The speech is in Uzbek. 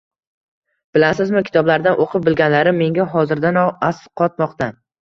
Bilasizmi, kitoblardan o‘qib bilganlarim menga hozirdanoq asqotmoqda